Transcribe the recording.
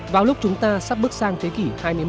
vào lúc chúng ta sắp bước sang thế kỷ hai mươi một